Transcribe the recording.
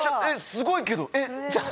すごいけどえっ。